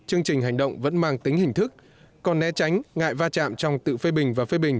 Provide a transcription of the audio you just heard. chương trình hành động vẫn mang tính hình thức còn né tránh ngại va chạm trong tự phê bình và phê bình